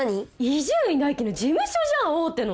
伊集院大樹の事務所じゃん大手の。